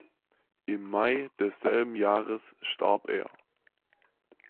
Im Mai desselben Jahres starb er.